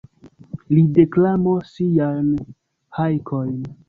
Li deklamos siajn hajkojn.